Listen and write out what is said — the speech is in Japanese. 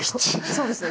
そうですね